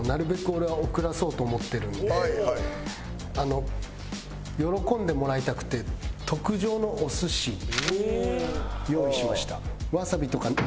俺は遅らそうと思ってるんで喜んでもらいたくて特上のお寿司用意しました。